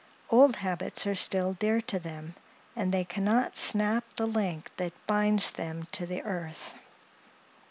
Old habits are still dear to them, and they can not snap the link that binds them to the earth.